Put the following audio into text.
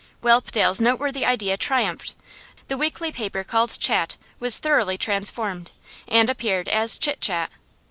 Whelpdale's noteworthy idea triumphed; the weekly paper called Chat was thoroughly transformed, and appeared as Chit Chat.